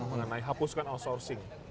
mengenai hapuskan outsourcing